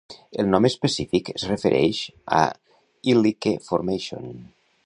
El nom específic es refereix a Ilike Formation.